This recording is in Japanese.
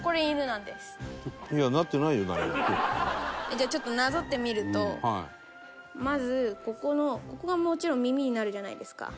じゃあちょっとなぞってみるとまずここのここがもちろん耳になるじゃないですか。